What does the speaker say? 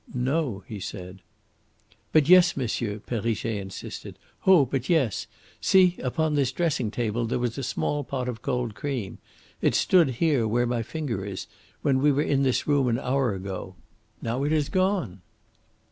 "No," he said. "But yes, monsieur," Perrichet insisted. "Oh, but yes. See! Upon this dressing table there was a small pot of cold cream. It stood here, where my finger is, when we were in this room an hour ago. Now it is gone."